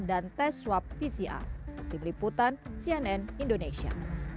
dan tes swab pca tim liputan cnn indonesia